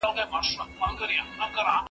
ټول انسانان مساوي حقوق لري.